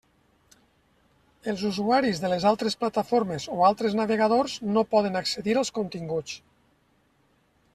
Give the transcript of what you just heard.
Els usuaris de les altres plataformes o altres navegadors no poden accedir als continguts.